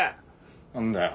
何だよ。